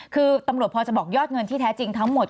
คือตำรวจพอจะบอกยอดเงินที่แท้จริงทั้งหมด